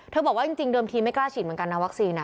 บอกว่าจริงเดิมทีไม่กล้าฉีดเหมือนกันนะวัคซีน